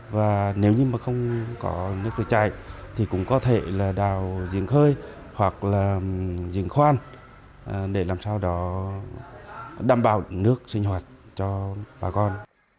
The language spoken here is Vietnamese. và nếu như mà không có nước tự chạy thì cũng có thể là đào giếng khơi hoặc là diễn khoan để làm sao đó đảm bảo nước sinh hoạt cho bà con